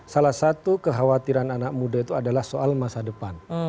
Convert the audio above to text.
salah satu kekhawatiran anak muda itu adalah soal masa depan